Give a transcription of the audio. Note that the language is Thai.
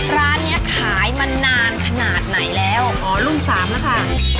ร้านนี้ขายมานานขนาดไหนแล้วอ๋อรุ่นสามแล้วค่ะ